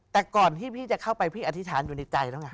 แต่ก่อนที่พี่จะเข้าไปพี่อธิษฐานอยู่ในใจแล้วไง